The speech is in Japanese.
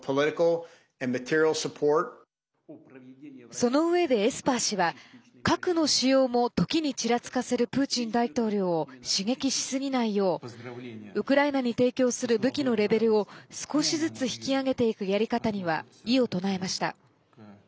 そのうえで、エスパー氏は核の使用も時にちらつかせるプーチン大統領を刺激しすぎないようウクライナに提供する武器のレベルを少しずつ引き上げていくやり方には異を唱えました。